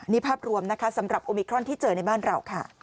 นี่ภาพรวมนะคะสำหรับโอมิครอนที่เจอในบ้านเราค่ะ